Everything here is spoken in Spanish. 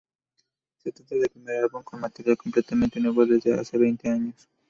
Se trata del primer álbum con material completamente nuevo desde hace veinte años.